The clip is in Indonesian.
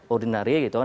ordinari gitu kan